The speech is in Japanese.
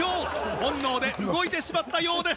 本能で動いてしまったようです。